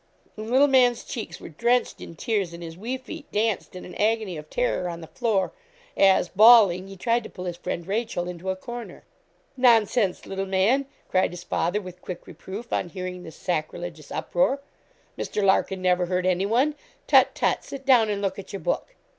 And little man's cheeks were drenched in tears, and his wee feet danced in an agony of terror on the floor, as, bawling, he tried to pull his friend Rachel into a corner. 'Nonsense, little man,' cried his father, with quick reproof, on hearing this sacrilegious uproar. 'Mr. Larkin never hurt anyone; tut, tut; sit down, and look at your book.'